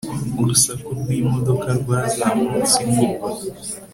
Urusaku rwimodoka rwazamutse inkuba